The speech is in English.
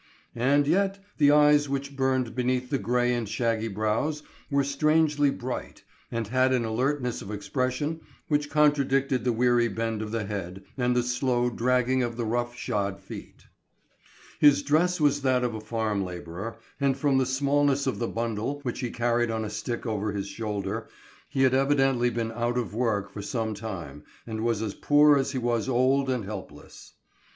And yet the eyes which burned beneath the gray and shaggy brows were strangely bright, and had an alertness of expression which contradicted the weary bend of the head and the slow dragging of the rough shod feet. His dress was that of a farm laborer, and from the smallness of the bundle which he carried on a stick over his shoulder, he had evidently been out of work for some time and was as poor as he was old and helpless.